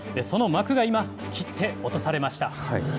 その幕が今、切って落とされまし